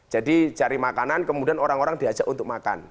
jadi cari makanan kemudian orang orang diajak untuk makan